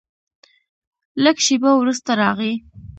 لږ شېبه وروسته راغی.